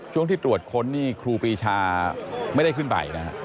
ช่วงที่ตรวจค้นนี่ครูปีชาไม่ได้ขึ้นไปนะฮะ